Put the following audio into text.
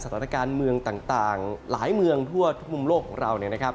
สถานการณ์เมืองต่างหลายเมืองทั่วทุกมุมโลกของเราเนี่ยนะครับ